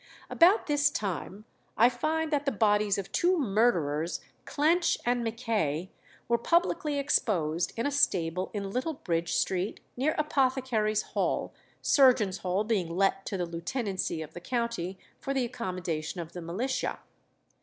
About this time I find that the bodies of two murderers, Clench and Mackay, "were publicly exposed in a stable in Little Bridge Street, near Apothecaries' Hall, Surgeons' Hall being let to the lieutenancy of the county for the accommodation of the militia."